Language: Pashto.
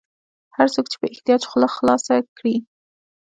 هر څوک چې په احتیاج خوله خلاصه کړي.